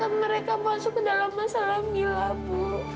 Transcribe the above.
bukan saja mereka masuk ke dalam masalah mila ibu